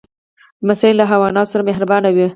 لمسی له حیواناتو سره مهربانه وي.